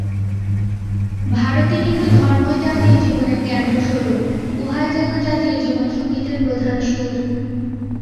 ভারতে কিন্তু ধর্মই জাতীয় জীবনের কেন্দ্রস্বরূপ, উহাই যেন জাতীয় জীবন-সঙ্গীতের প্রধান সুর।